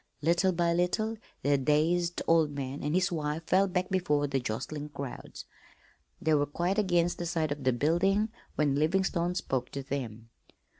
Little by little the dazed old man and his wife fell back before the jostling crowds. They were quite against the side of the building when Livingstone spoke to them.